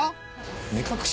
目隠し？